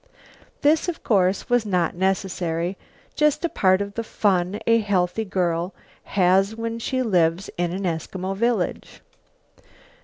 This, of course, was not necessary; just a part of the fun a healthy girl has when she lives in an Eskimo village.